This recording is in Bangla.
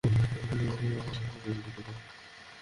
ফ্র্যাংক, উনি কি সবসময়ই এরকম কাজে ডুবে থাকেন?